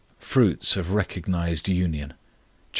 FRUITS OF RECOGNIZED UNION. Chap.